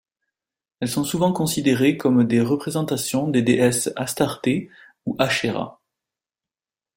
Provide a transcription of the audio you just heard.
Elles sont souvent considérées comme des représentations des déesses Astarté ou Ashéra.